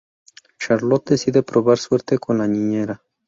Charlot decide probar suerte con la niñera.